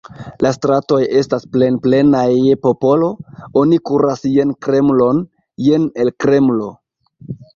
La stratoj estas plenplenaj je popolo, oni kuras jen Kremlon, jen el Kremlo.